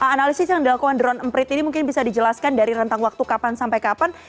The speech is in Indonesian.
analisis yang dilakukan drone emprit ini mungkin bisa dijelaskan dari rentang waktu kapan sampai kapan